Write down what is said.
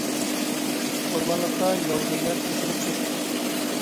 ئورمانلىقتا ياۋا گۈللەر ئېچىلىپ كېتىپتۇ.